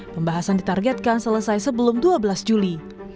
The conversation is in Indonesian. pembahasan ditargetkan selesai sebelum dua belas juli